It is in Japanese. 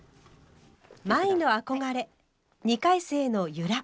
舞の憧れ２回生の由良。